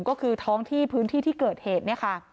ก็คือท้องที่พื้นที่ที่เกิดเหตุเนี่ยค่ะ